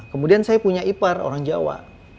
kemudian saya punya ipar orang jawa